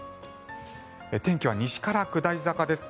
天気は西から下り坂です。